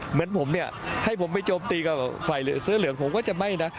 เหมือนผมเนี่ยให้ผมไปโจมตีกับฝ่ายเสื้อเหลืองผมก็จะไม่นะ